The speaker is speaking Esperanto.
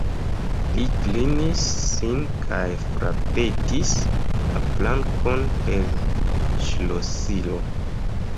Li klinis sin kaj frapetis la plankon per ŝlosilo.